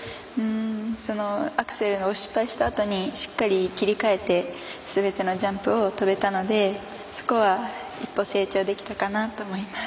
そのアクセルを失敗したあとにしっかり切り替えてすべてのジャンプを跳べたのでそこは一歩成長できたかなと思います。